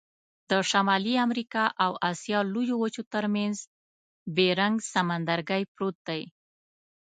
د شمال امریکا او آسیا لویو وچو ترمنځ بیرنګ سمندرګي پروت دی.